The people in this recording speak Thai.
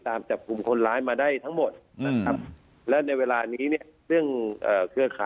ตามจากกลุ่มคนร้ายมาได้ทั้งหมดแล้วในเวลานี้หุ้นเครื่อง